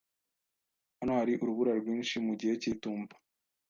Hano hari urubura rwinshi mu gihe cy'itumba?